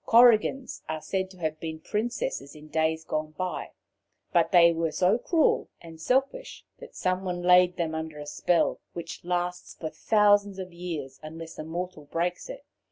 Korrigans are said to have been princesses in days gone by, but they were so cruel and selfish that someone laid them under a spell, which lasts for thousands of years unless a mortal breaks it.